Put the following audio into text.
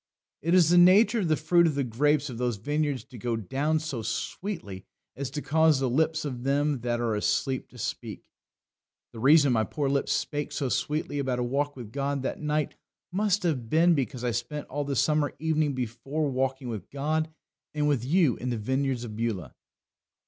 It is the nature of the fruit of the grapes of those vineyards to go down so sweetly as to cause the lips of them that are asleep to speak." The reason my poor lips spake so sweetly about a walk with God that night most have been because I spent all the summer evening before walking with God and with you in the vineyards of Beulah.